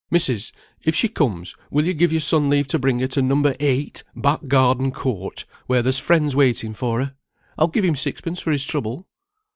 Missus, if she comes, will you give your son leave to bring her to No. 8, Back Garden Court, where there's friends waiting for her? I'll give him sixpence for his trouble."